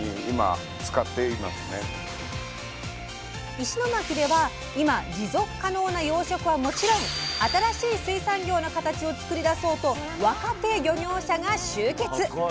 石巻では今持続可能な養殖はもちろん新しい水産業のカタチを作り出そうと若手漁業者が集結！